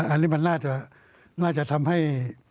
อันนี้มันน่าจะทำให้